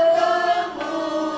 dalam pancasila aku berkutubmu